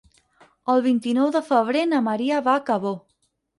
El vint-i-nou de febrer na Maria va a Cabó.